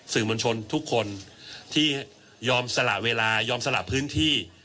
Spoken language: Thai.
สื่อมวลชนทุกคนที่ยอมสละเวลายอมสละพื้นที่